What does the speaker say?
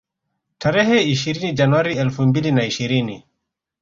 Tarehe ishirini Januari elfu mbili na ishirini